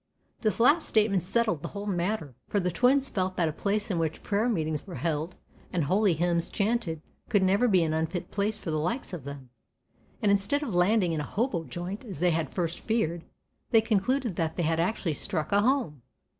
This last statement settled the whole matter, for the twins felt that a place in which prayer meetings were held and holy hymns chanted could never be an unfit place for the likes of them, and instead of landing in a "hobo joint" as they had first feared, they concluded that they had actually struck a home.